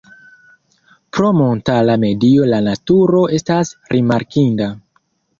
Pro montara medio la naturo estas rimarkinda.